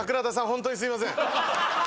ホントにすいません。